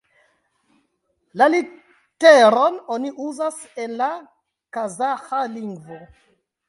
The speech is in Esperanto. La literon oni uzas en la Kazaĥa lingvo.